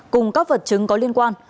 cùng các vật chứng có liên quan